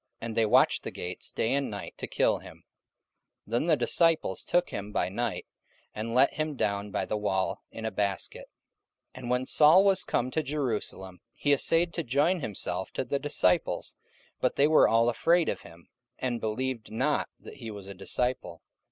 And they watched the gates day and night to kill him. 44:009:025 Then the disciples took him by night, and let him down by the wall in a basket. 44:009:026 And when Saul was come to Jerusalem, he assayed to join himself to the disciples: but they were all afraid of him, and believed not that he was a disciple.